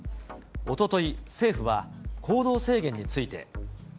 おととい、政府は行動制限について。